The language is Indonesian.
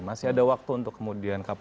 masih ada waktu untuk kemudian kpu